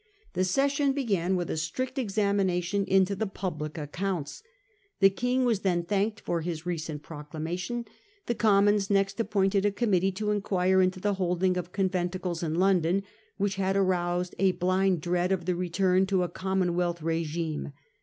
The session began with a strict examination into the public accounts. The King was then thanked for his Renewal of recent proclamation. The Commons next £ er the Uti ° n a PP°i nte d a committee to inquire into the Commons, holding of conventicles in London, which had aroused a blind dread of the return to a Commonwealth regime.